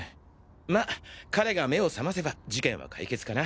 まあ彼が目を覚ませば事件は解決かな。